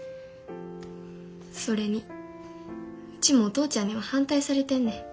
それにウチもお父ちゃんには反対されてんねん。